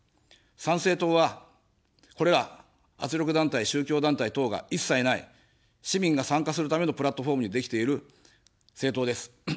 参政党は、これら圧力団体、宗教団体等が一切ない、市民が参加するためのプラットフォームにできている政党です。